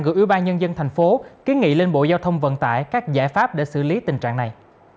gửi ưu ba nhân dân thành phố ký nghị lên bộ giao thông vận tải các giải pháp để xử lý tình trạng này